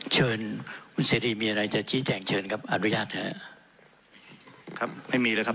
เชิญคุณเสรีมีอะไรจะชี้แจงเชิญครับอนุญาตเถอะครับไม่มีแล้วครับ